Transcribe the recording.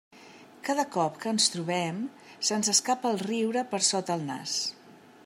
Cada cop que ens trobem, se'ns escapa el riure per sota el nas.